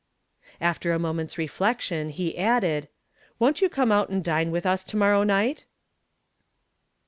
After a moment's reflection, he added, "Won't you come out and dine with us to morrow night?"